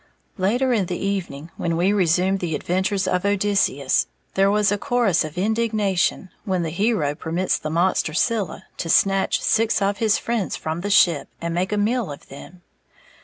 Later in the evening, when we resumed the adventures of Odysseus, there was a chorus of indignation when the hero permits the monster Scylla to snatch six of his friends from the ship and make a meal of them.